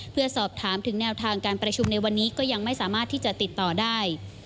เพื่อสอบถามถึงแนวทางการประชุมในวันนี้ก็ยังไม่สามารถที่จะติดต่อได้